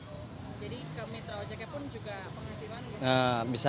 jadi ke metro ojeknya pun juga penghasilan bisa nambah